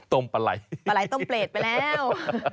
ปลาไหล่ปลาไหลต้มเปรตไปแล้ว